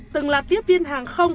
từng là tiếp viên hàng không